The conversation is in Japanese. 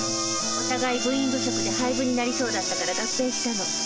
お互い部員不足で廃部になりそうだったから合併したの。